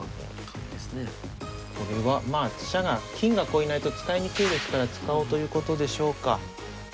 これはまあ飛車が金がこういないと使いにくいですから使おうということでしょうか。